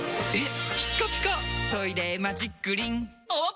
えっ⁉